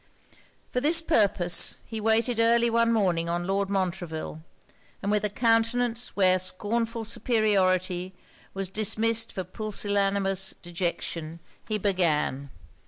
For this purpose, he waited early one morning on Lord Montreville, and with a countenance where scornful superiority was dismissed for pusillanimous dejection, he began.